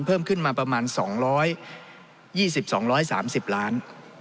เพิ่มขึ้นมาประมาณ๒๒๓๐ล้าน